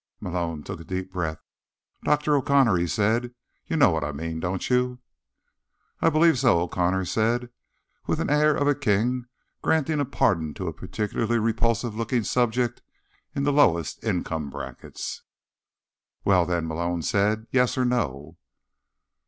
Malone took a deep breath. "Dr. O'Connor," he said, "you know what I mean, don't you?" "I believe so," O'Connor said, with the air of a king granting a pardon to a particularly repulsive looking subject in the lowest income brackets. "Well, then," Malone said. "Yes or no?"